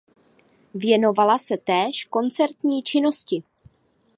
Věnovala se též koncertní činnosti.